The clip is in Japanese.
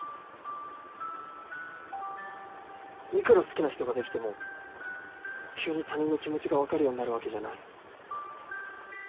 いくら好きな人ができても急に他人の気持ちが分かるようになるわけじゃない。